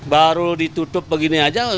baru ditutup begini saja